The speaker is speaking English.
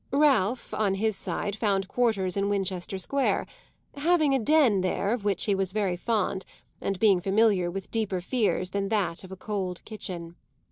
Ralph, on his side, found quarters in Winchester Square, having a "den" there of which he was very fond and being familiar with deeper fears than that of a cold kitchen.